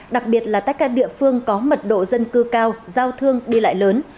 đặc biệt là tất cả địa phương có mật độ dân cư cao giao thương đi lại lớn